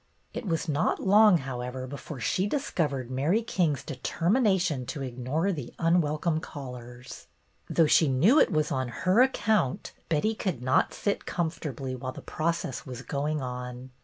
It was not long, however, before she dis covered Mary King's determination to ignore 56 BETTY BAIRD'S GOLDEN YEAR the unwelcome callers. Though she knew it was on her account, Betty could not sit com fortably while the process was going on.